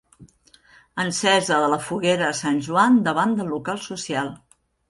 Encesa de la Foguera de Sant Joan davant del local social.